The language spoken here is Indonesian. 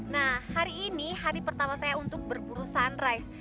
nah hari ini hari pertama saya untuk berburu sunrise